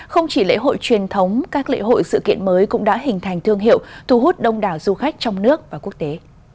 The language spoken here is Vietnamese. không chỉ lễ hội truyền thống các lễ hội sự kiện mới cũng đã hình thành thương hiệu thu hút đông đảo du khách trong nước và quốc tế